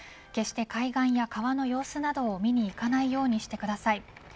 決して海岸や川の様子などを見に行かないようにしてください。